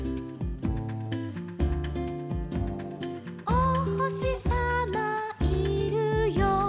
「おほしさまいるよ」